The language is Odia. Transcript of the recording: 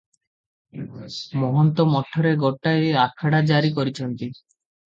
ମହନ୍ତ ମଠରେ ଗୋଟାଏ ଆଖଡା ଜାରି କରିଛନ୍ତି ।